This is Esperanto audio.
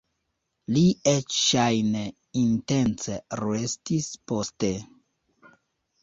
Li eĉ ŝajne intence restis poste!